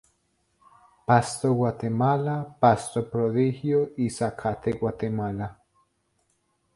Pasto guatemala, Pasto prodigio y zacate guatemala.